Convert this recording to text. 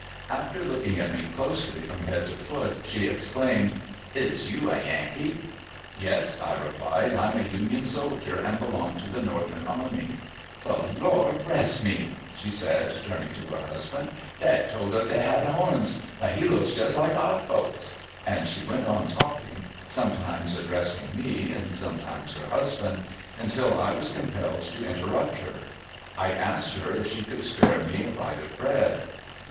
After looking at me closely from head to foot, she exclaimed, "Is you a Yankee?" "Yes," I replied, "I'm a Union soldier and belong to the northern army." "The Lor' bress me," she said, turning to her husband; "Dey told us dey had horns, but he looks just like our folks," and she went on talking, sometimes addressing me, sometimes her husband, until I was compelled to interrupt her. I asked her if she could spare me a bite of bread.